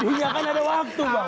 jadinya kan ada waktu bang